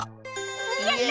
やった！